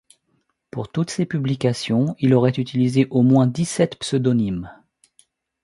Pour toutes ces publications, il aurait utilisé au moins dix-sept pseudonymes.